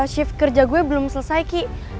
shift kerja gue belum selesai ki